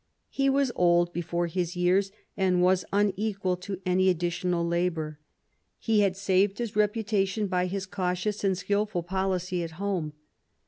He was old before his years, and was unequal to any additional labour. He had saved his reputation by his cautious and skilful policy at home.